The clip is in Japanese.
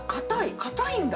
◆硬いんだ。